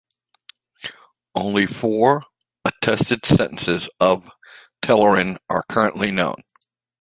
Only four attested sentences of Telerin are currently known.